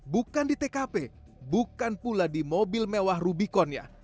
bukan di tkp bukan pula di mobil mewah rubiconnya